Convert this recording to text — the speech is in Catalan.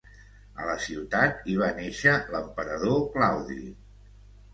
A la ciutat hi va néixer l'emperador Claudi.